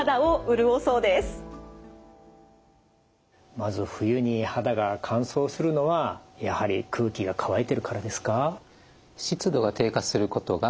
まず冬に肌が乾燥するのはやはり空気が乾いてるからですか？